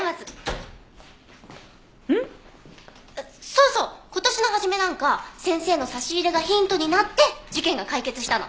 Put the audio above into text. そうそう今年の初めなんか先生の差し入れがヒントになって事件が解決したの。